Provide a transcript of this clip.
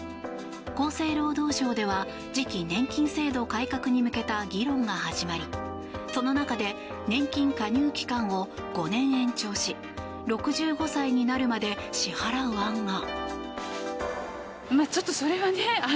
厚生労働省では次期年金制度改革に向けた議論が始まりその中で年金加入期間を５年延長し６５歳になるまで支払う案が。